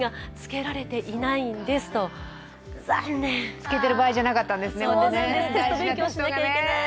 漬けてる場合じゃなかったんですね。